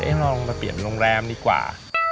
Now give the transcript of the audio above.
เอ้ยเราลองไปเปลี่ยนโรงแรมดีกว่า